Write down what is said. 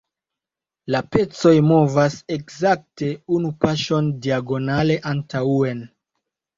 La pecoj movas ekzakte unu paŝon diagonale antaŭen.